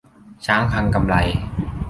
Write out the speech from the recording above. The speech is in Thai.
'ช้างพังกำไล'